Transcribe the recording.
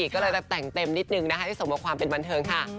ก็เลยจะแต่งเต็มนิดนึงนะคะให้สมกับความเป็นบันเทิงค่ะ